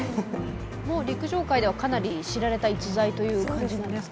陸上界ではかなり知られた逸材という感じなんですか？